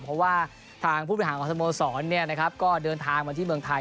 เพราะว่าทางผู้บริหารของสโมสรก็เดินทางมาที่เมืองไทย